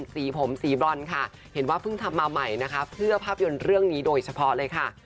สีผมสีบรอนค่ะเห็นว่าเพิ่งทำมาใหม่นะคะเพื่อภาพยนตร์เรื่องนี้โดยเฉพาะเลยค่ะ